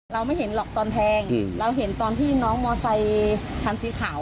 เราไม่เห็นหรอกตอนแทงเราเห็นตอนที่น้องมอเซคันสีขาว